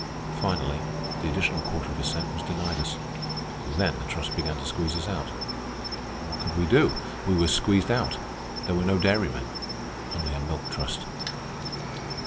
Finally, the additional quarter of a cent was denied us. Then the Trust began to squeeze us out. What could we do? We were squeezed out. There were no dairymen, only a Milk Trust."